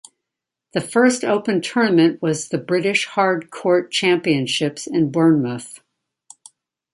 The first open tournament was the British Hard Court Championships in Bournemouth.